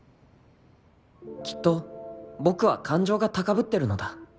［きっと僕は感情が高ぶってるのだ］